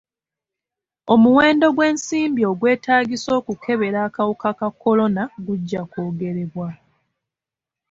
Omuwendo gw'ensimbi ogwetaagisa okukebera akawuka ka kolona gujja kwogerebwa.